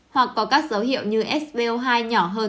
hoặc có các dấu hiệu như svo hai nhỏ hơn